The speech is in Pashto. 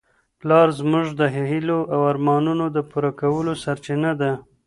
پلار زموږ د هیلو او ارمانونو د پوره کولو سرچینه ده.